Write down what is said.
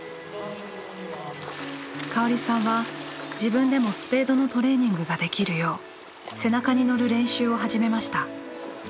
香織さんは自分でもスペードのトレーニングができるよう背中に乗る練習を始めました。